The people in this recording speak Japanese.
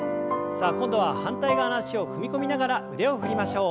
さあ今度は反対側の脚を踏み込みながら腕を振りましょう。